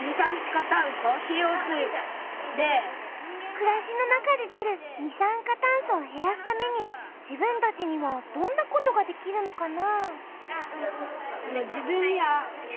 くらしの中で出る二酸化炭素をへらすために自分たちにはどんなことができるのかなあ。